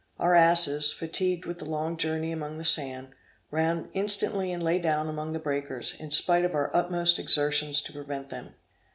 Our asses, fatigued with the long journey among the sand, ran instantly and lay down among the breakers, in spite of our utmost exertions to prevent them.